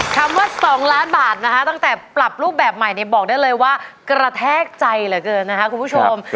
คำว่า๒ล้านบาทนะคะตั้งแต่ปรับรูปแบบใหม่เนี่ยบอกได้เลยว่ากระแทกใจเหลือเกินนะคะคุณผู้ชม